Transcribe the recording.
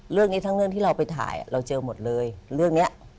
เรื่องนี้ทั้งเรื่องที่เราไปถ่ายเราเจอหมดเลยเรื่องนี้